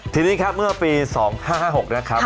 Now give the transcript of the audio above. ทีนี้ครับเมื่อปี๒๕๕๖นะครับ